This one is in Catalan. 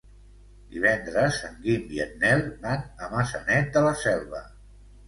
Divendres en Guim i en Nel van a Maçanet de la Selva.